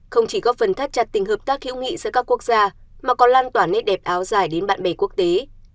không chỉ góp phần thắt chặt tình hợp tác hữu nghị giữa các quốc gia mà còn lan tỏa nét đẹp áo dài đến bạn bè quốc tế